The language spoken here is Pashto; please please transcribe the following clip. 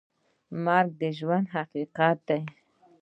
مرګ د ژوند حقیقت دی